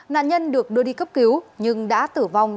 nạn nhân được đưa đi cấp cứu nhưng đã tử vong